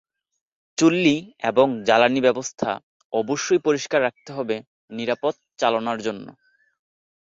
চুল্লী এবং জ্বালানি ব্যবস্থা অবশ্যই পরিষ্কার রাখতে হবে নিরাপদ চালনার জন্য।